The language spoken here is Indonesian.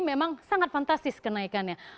memang sangat fantastis kenaikannya